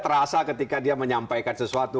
terasa ketika dia menyampaikan sesuatu